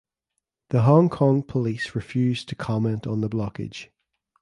The Hong Kong police refused to comment on the blockage.